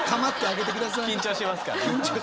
緊張しますからね。